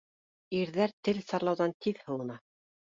Ирҙәр тел сарлауҙан тиҙ һыуына